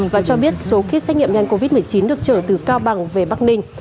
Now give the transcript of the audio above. và cho biết số kit xét nghiệm nhanh covid một mươi chín được trở từ cao bằng về bắc ninh